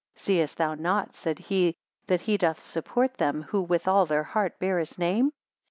139 Seest thou not, said he, that he doth support them, who with all their heart, bear his name?